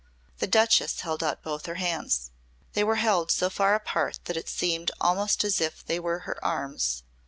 The Duchess held out both her hands. They were held so far apart that it seemed almost as if they were her arms.